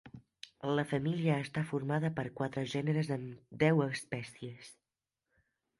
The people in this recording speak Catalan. La família està formada per quatre gèneres amb deu espècies.